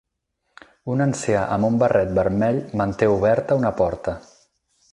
Un ancià amb un barret vermell manté oberta una porta